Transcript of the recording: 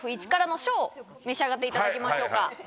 召し上がっていただきましょうか。